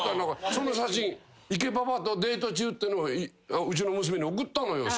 その写真「池パパとデート中」ってうちの娘に送ったのよＬＩＮＥで。